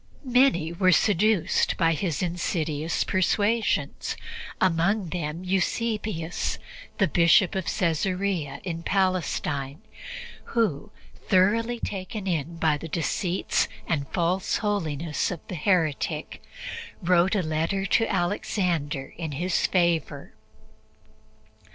Many were seduced by his insidious persuasions, among them Eusebius, the Bishop of Caesarea in Palestine, who, thoroughly taken in by the deceits and false holiness of the heretic, wrote a letter to Alexander in his favor.